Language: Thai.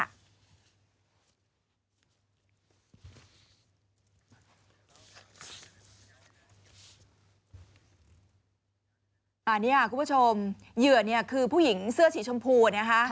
อันนี้คุณผู้ชมเหยื่อเนี่ยคือผู้หญิงเสื้อสีชมพูนะคะ